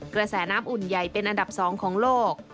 กระแสน้ำอุ่นใหญ่เป็นอันดับ๒ของโลก